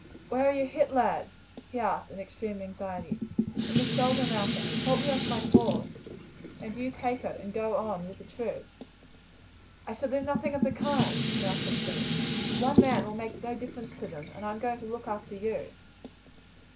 "Where are you hit, lad?" he asked in extreme anxiety. "In the shoulder, Malcolm. Help me off my horse, and do you take it and go on with the troops." "I shall do nothing of the kind," Malcolm said. "One man will make no difference to them, and I am going to look after you."